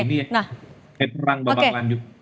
ini perang babak lanjut